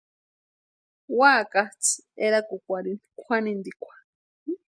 Úakatsʼï erakukwarhini kwʼanintikwa.